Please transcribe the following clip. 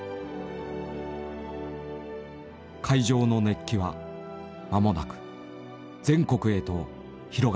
会場の熱気は間もなく全国へと広がっていった。